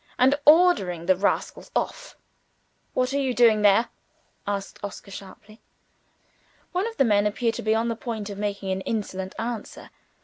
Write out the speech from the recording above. and ordering the rascals off. "What are you doing there?" asked Oscar sharply. One of the men appeared to be on the point of making an insolent answer.